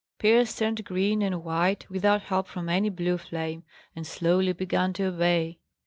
Pierce turned green and white, without help from any blue flame, and slowly began to obey.